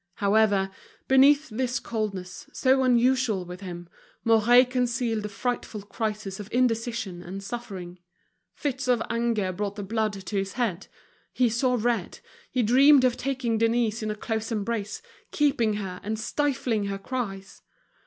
However, beneath this coldness, so unusual with him, Mouret concealed a frightful crisis of indecision and suffering. Fits of anger brought the blood to his head: he saw red, he dreamed of taking Denise in a close embrace, keeping her, and stifling her cries.